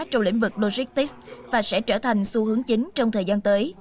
trong lĩnh vực logistics và sẽ trở thành xu hướng chính trong thời gian tới